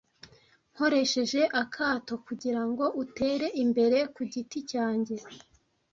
nkoresheje akato kugirango utere imbere kugiti cyanjye